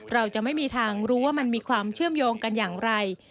เราจะไม่มีทางรู้ว่ามันมีความเชื่อมโยงกันอย่างไร